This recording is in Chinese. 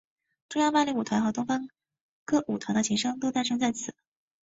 中央芭蕾舞团和东方歌舞团的前身都诞生在此。